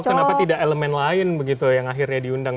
atau kenapa tidak elemen lain yang akhirnya diundang